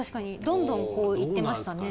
どんどんいってましたね。